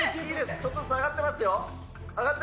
ちょっとずつ下がってますよ。